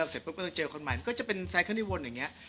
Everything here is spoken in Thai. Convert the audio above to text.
เสร็จปุ๊บก็จะเจอคนใหม่ก็จะเป็นอย่างเงี้ย